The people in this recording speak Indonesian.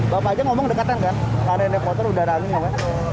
bapak aja ngomong dekatan kan karena ini motor udara aneh bukan